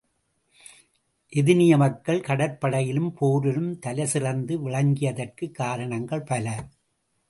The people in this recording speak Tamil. எதினிய மக்கள் கடற்படையிலும் போரிலும் தலை சிறந்து விளங்கியதற்குக் காரணங்கள் பல.